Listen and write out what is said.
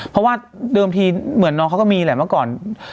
เพราะว่าเดิมทีเหมือนน้องเขาก็มีแหละเมื่อก่อน